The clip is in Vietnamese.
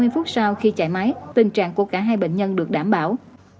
hai mươi phút sau khi chạy máy tình trạng của cả hai bệnh nhân được đảm bảo